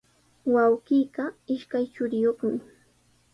Wawqiiqa ishkay churiyuqmi.